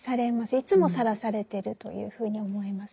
いつもさらされてるというふうに思います。